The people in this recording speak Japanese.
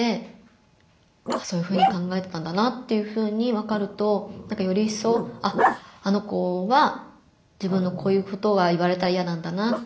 そういうふうに考えてたんだなっていうふうにわかるとよりいっそう「あっあの子は自分のこういうことが言われたら嫌なんだな」っていう。